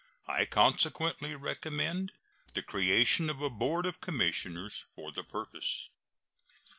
I consequently recommend the creation of a board of commissioners for the purpose.